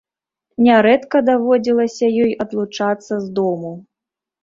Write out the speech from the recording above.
Нярэдка даводзілася ёй адлучацца з дому.